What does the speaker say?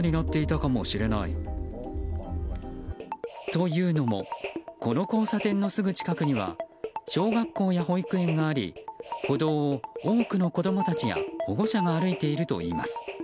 というのもこの交差点のすぐ近くには小学校や保育園があり歩道を多くの子供たちや保護者が歩いているといいます。